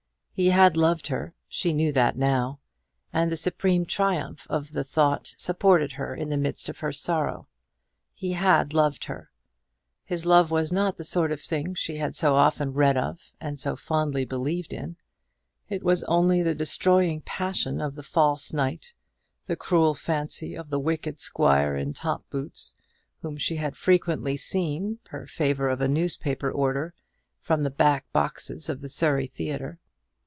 He had loved her she knew that now; and the supreme triumph of that thought supported her in the midst of her sorrow. He had loved her. His love was not the sort of thing she had so often read of, and so fondly believed in; it was only the destroying passion of the false knight, the cruel fancy of the wicked squire in top boots, whom she had frequently seen per favour of a newspaper order from the back boxes of the Surrey Theatre.